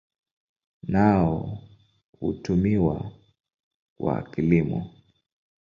Nao hutumiwa kwa kilimo.